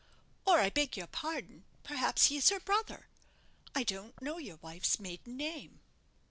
Or, I beg your pardon, perhaps he is her brother. I don't know your wife's maiden name."